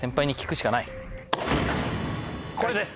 これです！